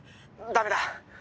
☎ダメだ